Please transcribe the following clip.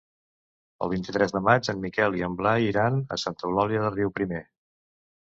El vint-i-tres de maig en Miquel i en Blai iran a Santa Eulàlia de Riuprimer.